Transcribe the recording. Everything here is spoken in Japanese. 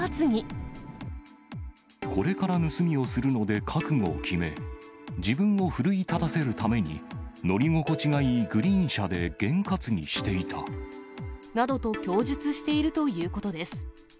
これから盗みをするので、覚悟を決め、自分を奮い立たせるために、乗り心地がいいグリーン車で験担ぎしていた。などと供述しているということです。